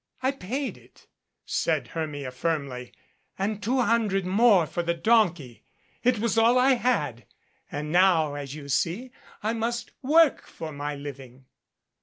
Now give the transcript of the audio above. "I paid it," said Hermia, firmly, "and two hundred more for the donkey. It was all I had. And now, as you see, I must work for my living."